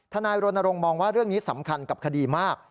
นายรณรงค์มองว่าเรื่องนี้สำคัญกับคดีมาก